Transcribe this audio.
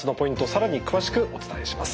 更に詳しくお伝えします。